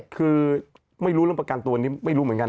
คือไม่รู้เรื่องประกันตัวนี้ไม่รู้เหมือนกัน